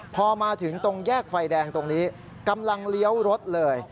พอมาถึงตรงแยกไฟแดงตรงนี้กำลังเลี้ยวรถเลย